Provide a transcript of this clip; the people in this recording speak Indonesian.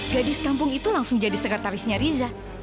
gadis kampung itu langsung jadi sekretarisnya riza